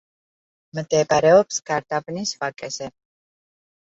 მდებარეობს გარდაბნის ვაკეზე.